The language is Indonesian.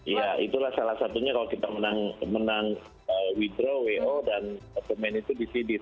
ya itulah salah satunya kalau kita menang withdraw wo dan open main itu di sidis